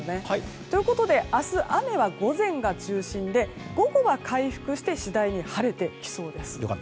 ということで明日、雨は午前が中心で午後は回復して次第に晴れてきそうです。